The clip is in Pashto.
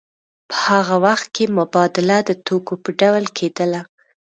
په هغه وخت کې مبادله د توکو په ډول کېدله